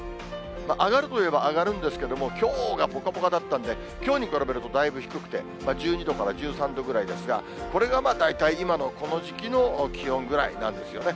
上がるといえば上がるんですけれども、きょうがぽかぽかだったんで、きょうに比べるとだいぶ低くて、１２度から１３度ぐらいですが、これがまあ大体、今のこの時期の気温ぐらいなんですよね。